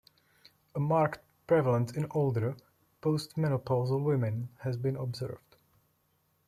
A marked prevalence in older, postmenopausal women has been observed.